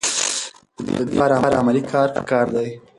د دې لپاره علمي کار پکار دی.